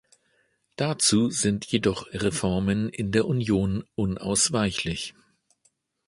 Dazu sind jedoch Reformen in der Union unausweichlich.